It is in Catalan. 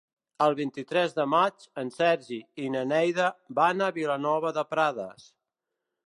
El vint-i-tres de maig en Sergi i na Neida van a Vilanova de Prades.